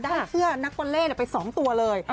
เสื้อนักวอลเล่ไป๒ตัวเลย